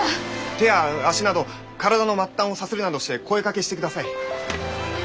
手や足など体の末端をさするなどして声かけしてください。